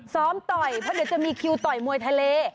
ต่อยเพราะเดี๋ยวจะมีคิวต่อยมวยทะเล